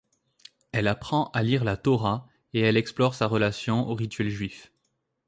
Elle apprend à lire la Torah et elle explore sa relation au rituel juif.